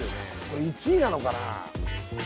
これ１位なのかな？